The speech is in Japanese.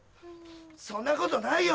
そんなことないよ！